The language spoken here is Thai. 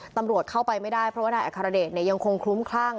ตำรวจเข้าไปไม่ได้เพราะว่านายอัครเดชยังคงคลุ้มคลั่ง